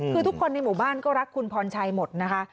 คือทุกคนในหมู่บ้านก็รักคุณพรชัยหมดนะคะ